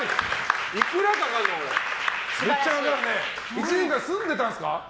１年間住んでたんですか？